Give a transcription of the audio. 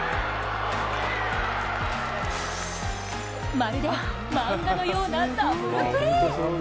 まるで漫画のようなダブルプレー。